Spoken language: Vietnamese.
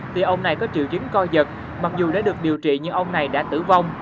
thì ông này có triệu chứng co giật mặc dù đã được điều trị nhưng ông này đã tử vong